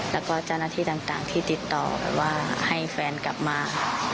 แล้วก็เจ้าหน้าที่ต่างที่ติดต่อแบบว่าให้แฟนกลับมาค่ะ